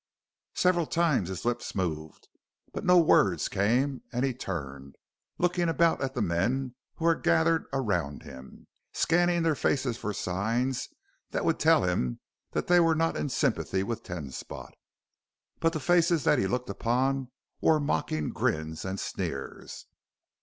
Several times his lips moved, but no words came and he turned, looking about at the men who were gathered around him, scanning their faces for signs that would tell him that they were not in sympathy with Ten Spot. But the faces that he looked upon wore mocking grins and sneers.